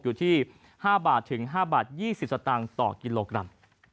อยู่ที่ห้าบาทถึงห้าบาทยี่สิบสตางค์ต่อกิโลกรัม